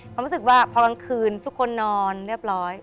รู้สึกว่าพอกลางคืนทุกคนนอนเรียบร้อย